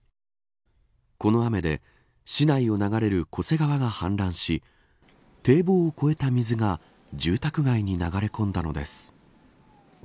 この雨で、市内を流れる巨瀬川が氾濫し堤防を越えた水が住宅街に流れ込んだのです。